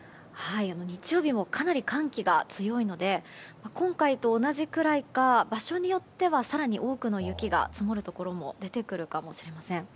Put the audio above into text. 日曜日もかなり寒気が強いので今回と同じくらいか場所によってはさらに多くの雪が積もるところも出てくるかもしれません。